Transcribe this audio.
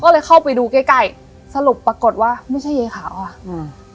ก็เลยเข้าไปดูใกล้ใกล้สรุปปรากฏว่าไม่ใช่ยายขาวอ่ะอืม